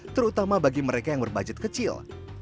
terutama bagi mereka yang berbudget kecil